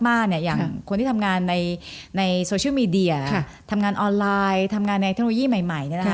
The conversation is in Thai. อย่างคนที่ทำงานในโซเชียลมีเดียทำงานออนไลน์ทำงานในเทคโนโลยีใหม่